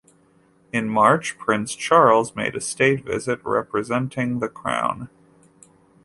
In March Prince Charles made a state visit, representing the Crown.